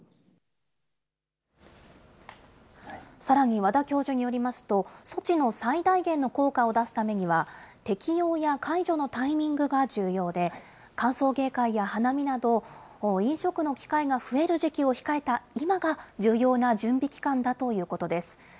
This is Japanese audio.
さらに、和田教授によりますと、措置の最大限の効果を出すためには、適用や解除のタイミングが重要で、歓送迎会や花見など、飲食の機会が増える時期を控えた今が重要な準備期間だということです。